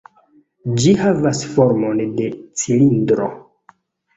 Ĝi havas formon de cilindro.